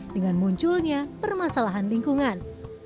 dengan munculnya permasalahan lingkungan